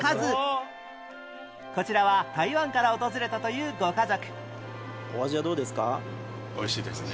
こちらは台湾から訪れたというご家族